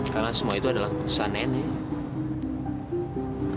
karena semua itu adalah keputusan nenek